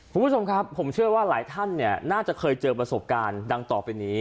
คุณผู้ชมครับผมเชื่อว่าหลายท่านน่าจะเคยเจอประสบการณ์ดังต่อไปนี้